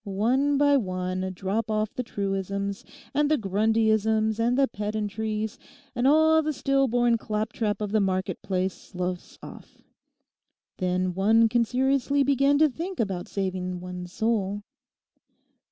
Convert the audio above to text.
One by one drop off the truisms, and the Grundyisms, and the pedantries, and all the stillborn claptrap of the marketplace sloughs off. Then one can seriously begin to think about saving one's soul.